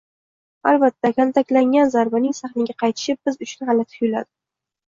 Albatta, "kaltaklangan" zarbaning sahnaga qaytishi biz uchun g'alati tuyuladi